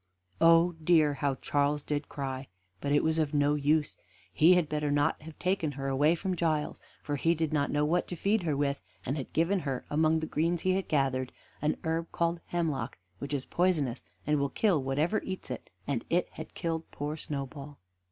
Oh dear! how Charles did cry! But it was of no use. He had better not have taken her away from Giles, for he did not know what to feed her with, and had given her among the greens he had gathered a herb called hemlock, which is poisonous and will kill whatever eats of it; and it had killed poor Snowball.